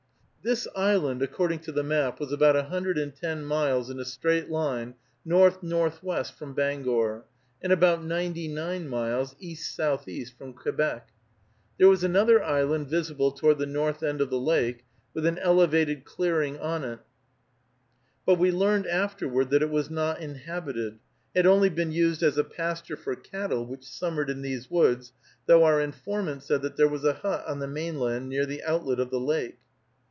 This island, according to the map, was about a hundred and ten miles in a straight line north northwest from Bangor, and about ninety nine miles east southeast from Quebec. There was another island visible toward the north end of the lake, with an elevated clearing on it; but we learned afterward that it was not inhabited, had only been used as a pasture for cattle which summered in these woods, though our informant said that there was a hut on the mainland near the outlet of the lake.